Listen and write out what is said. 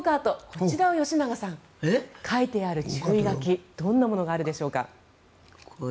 こちらは吉永さん書いてある注意書きどんなものがあるでしょうか。